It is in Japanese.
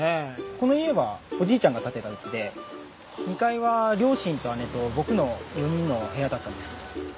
この家はおじいちゃんが建てたうちで２階は両親と姉と僕の４人の部屋だったんです。